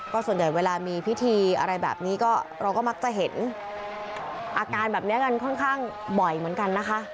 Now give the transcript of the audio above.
ส่วนใหญ่เวลามีพิธีอะไรแบบนี้ก็เราก็มักจะเห็นอาการแบบนี้กันค่อนข้างบ่อยเหมือนกันนะคะ